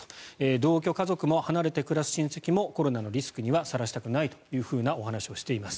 同居家族も離れて暮らす親戚もコロナのリスクにはさらしたくないというお話をしています。